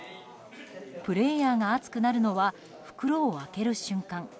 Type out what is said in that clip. プレーヤーが熱くなるのは袋を開ける瞬間。